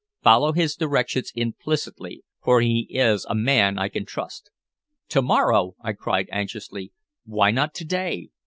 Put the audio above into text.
Follow his directions implicitly, for he is a man I can trust." "To morrow!" I cried anxiously. "Why not to day?